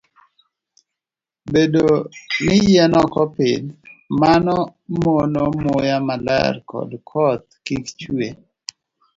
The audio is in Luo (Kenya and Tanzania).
Bedo ni yien ok opidh, mano mono muya maler koda koth kik chwe.